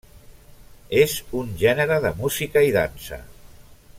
És un gènere de música i dansa.